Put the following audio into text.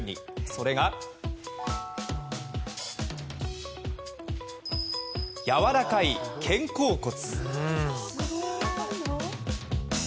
それが、やわらかい肩甲骨。